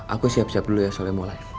aku siap siap dulu ya soalnya mau live